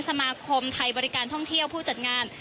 สมาคมไทยบริการท่องเที่ยวผู้จัดงาน